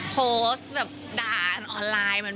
โพสต์แบบด่ากันออนไลน์